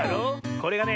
これがね